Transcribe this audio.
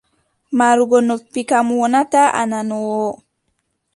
Marugo noppi kam, wonataa a nanoowo.